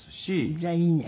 じゃあいいね。